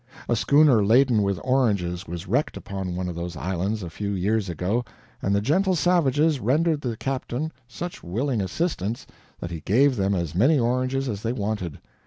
A schooner laden with oranges was wrecked upon one of those islands a few years ago, and the gentle savages rendered the captain such willing assistance that he gave them as many oranges as they wanted.